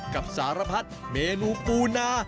กับสารพัดเมนูปูนา